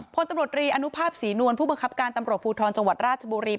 พลตำรวจรีอนุภาพศรีนวลผู้บังคับการตำรวจภูทรจังหวัดราชบุรี